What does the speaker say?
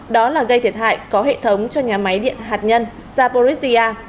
đó là gây thiệt hại có hệ thống cho nhà máy điện hạt nhân zaporizia